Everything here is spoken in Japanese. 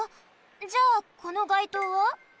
じゃあこのがいとうは？